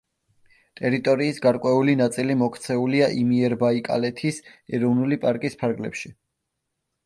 ტერიტორიის გარკვეული ნაწილი მოქცეულია იმიერბაიკალეთის ეროვნული პარკის ფარგლებში.